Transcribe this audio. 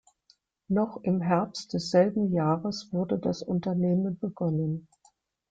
Noch im Herbst desselben Jahres wurde das Unternehmen begonnen.